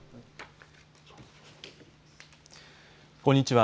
こんにちは。